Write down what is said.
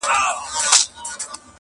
کږې خولې په سوک سمیږي د اولس د باتورانو٫